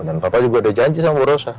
dan papa juga udah janji sama bu rosa